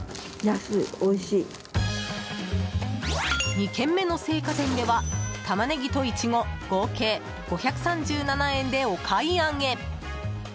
２軒目の青果店ではタマネギとイチゴ合計５３７円で、お買い上げ。